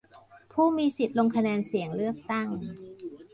ผู้มีสิทธิ์ลงคะแนนเสียงเลือกตั้ง